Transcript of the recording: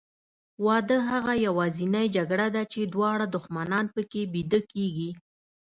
واده هغه یوازینۍ جګړه ده چې دواړه دښمنان پکې بیده کېږي.